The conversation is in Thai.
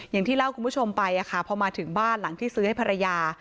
อย่างที่เล่าคุณผู้ชมไปพอมาถึงบ้านหลังที่ซื้อให้ภรรยา